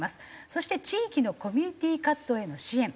そして地域のコミュニティ活動への支援。